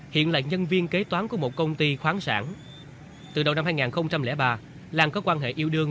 hiện là nhân viên kế toán của một công ty khoáng sản từ đầu năm hai nghìn ba lan có quan hệ yêu đương